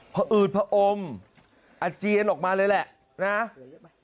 พระอืดพระอมอัจเจียนออกมาเลยแหละนะครับ